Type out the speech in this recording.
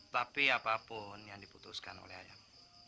tapi apapun yang diputuskan oleh ayam